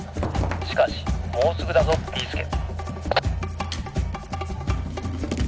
しかしもうすぐだぞビーすけ！」。